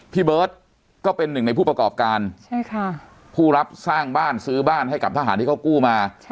พี่เบิร์ตก็เป็นหนึ่งในผู้ประกอบการผู้รับสร้างบ้านซื้อบ้านให้กับทหารที่เขากู้มา